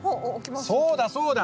そうだそうだ。